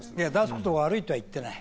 出すことが悪いとは言ってない。